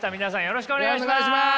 よろしくお願いします。